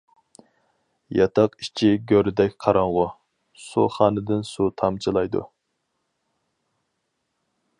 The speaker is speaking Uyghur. ياتاق ئىچى گۆردەك قاراڭغۇ، سۇخانىدىن سۇ تامچىلايدۇ.